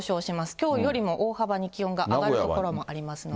きょうよりも大幅に気温が上がる所もありますので。